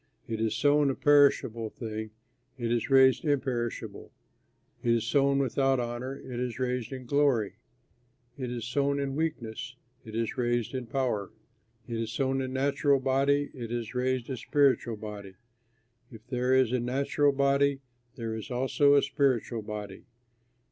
It is sown a perishable thing, it is raised imperishable; it is sown without honor, it is raised in glory; it is sown in weakness, it is raised in power; it is sown a natural body, it is raised a spiritual body. If there is a natural body, there is also a spiritual body.